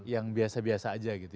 yang biasa biasa aja gitu